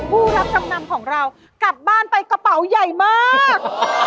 ผู้รับจำนำของเรากลับบ้านไปกระเป๋าใหญ่มาก